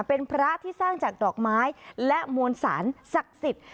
เป็นพระที่สร้างจากดอกไม้และมวลสารศักดิ์สิทธิ์